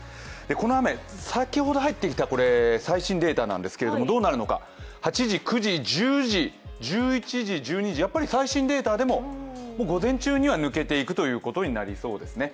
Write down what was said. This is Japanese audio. この雨、先ほど入ってきた最新データなんですけどどうなるのか、８時、９時、１０時１１時やっぱり最新データでも午前中には抜けていくことになりそうですね。